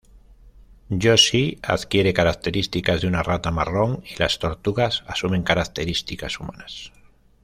Yoshi adquiere características de una rata marrón y las tortugas asumen características humanas.